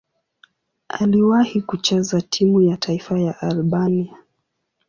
Aliwahi kucheza timu ya taifa ya Albania.